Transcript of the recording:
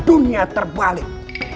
di dunia terbalik